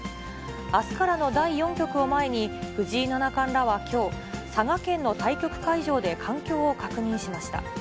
あすからの第４局を前に、藤井七冠らはきょう、佐賀県の対局会場で環境を確認しました。